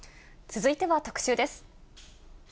続いては特集です。